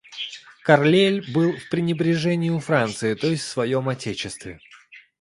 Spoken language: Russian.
Карлейль был в пренебрежении у Франции, то есть в своем отечестве.